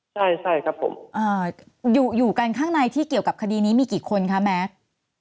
ใช่ใช่ครับผมอยู่กันข้างในที่เกี่ยวกับคดีนี้มีกี่คนคะแม็กซ์